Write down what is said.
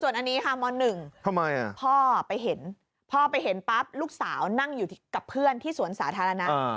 อันนี้ค่ะม๑ทำไมพ่อไปเห็นพ่อไปเห็นปั๊บลูกสาวนั่งอยู่กับเพื่อนที่สวนสาธารณะ